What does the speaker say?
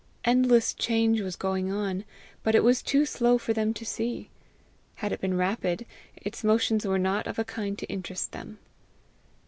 Endless change was going on, but it was too slow for them to see; had it been rapid, its motions were not of a kind to interest them.